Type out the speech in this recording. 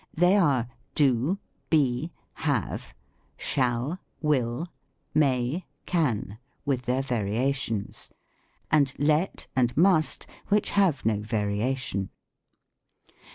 They are, do, be, have, shall, will, may, can, with their variations; and let and must, which have no variation.